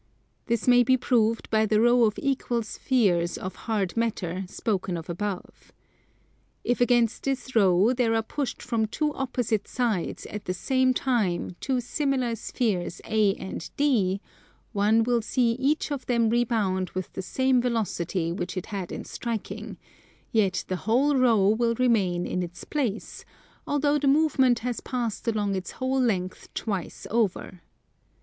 This may be proved by the row of equal spheres of hard matter, spoken of above. If against this row there are pushed from two opposite sides at the same time two similar spheres A and D, one will see each of them rebound with the same velocity which it had in striking, yet the whole row will remain in its place, although the movement has passed along its whole length twice over.